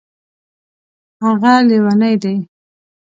هغه لیونی دی